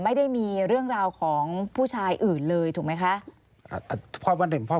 ไม่ได้มีเรื่องราวของผู้ชายอื่นเลยถูกไหมคะ